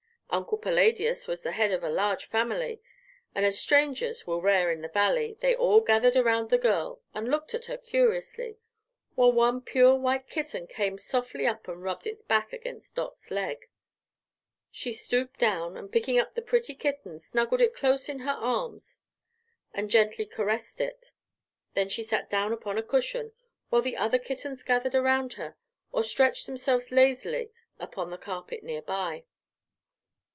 Uncle Palladius was the head of a large family, and as strangers were rare in their Valley they all gathered around the girl and looked at her curiously, while one pure white kitten came softly up and rubbed its back against Dot's leg. She stooped down, and picking up the pretty kitten snuggled it close in her arms and gently caressed it. Then she sat down upon a cushion, while the other kittens gathered around her or stretched themselves lazily upon the carpet near by.